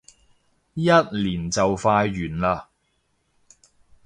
一年就快完嘞